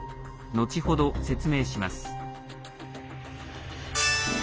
後ほど説明します。